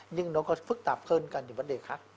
nhưng nó còn phức tạp hơn cả những vấn đề khác